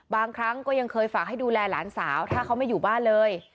บางครั้งก็ยังเคยฝากให้ดูแลหลานสาวถ้าเขาไม่อยู่บ้านเลย